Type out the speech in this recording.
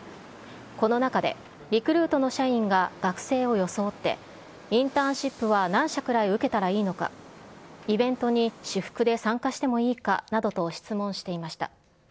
この中で、リクルートの社員が学生を装って、インターンシップは何社くらい受けたらいいのか、イベントに私服で参加してもいいかなどと質問していました。